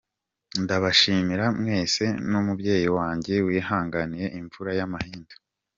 Ndabashimira mwese n’umubyeyi wanjye wihanganiye imvura y’amahindu.